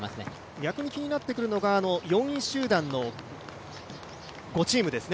逆に気になってくるのが４位集団の５チームですね。